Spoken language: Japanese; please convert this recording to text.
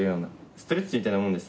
ストレッチみたいなもんです。